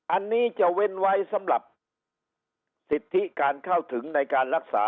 อันนี้จะเว้นไว้สำหรับสิทธิการเข้าถึงในการรักษา